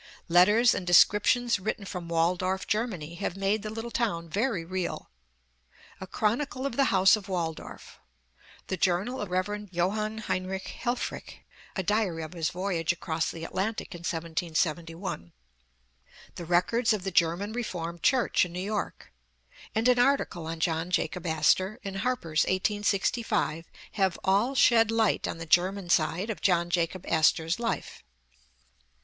Letters and descrip tions written from Waldorf, Germany, have made the little town ver}^ real. A Chronicle of the House of Wal dorf ; The Journal of Rev. Johann Heinrich Helffrich, (A diary of his voyage across the Atlantic in 1771) ; The Records of the German Reformed Church in New York; and an article on John Jacob Astor, in Harper's, 1865, have all shed light on the German side of John Jacob Astor's life.